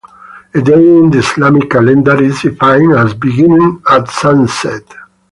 A day in the Islamic calendar is defined as beginning at sunset.